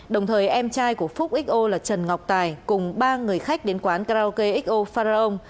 đồng thời em trai của phúc xo là trần ngọc tài cùng ba người khách đến quán karaoke xo faraoon